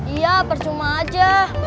iya percuma aja